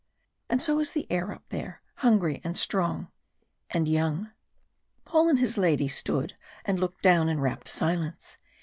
And so is the air up there. Hungry and strong and young. Paul and his lady stood and looked down in rapt silence.